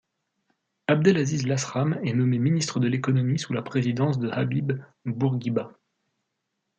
Abdelaziz Lasram est nommé ministre de l'Économie sous la présidence de Habib Bourguiba.